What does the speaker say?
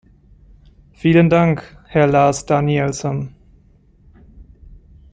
Vielen Dank, Herr Lars Danielsson.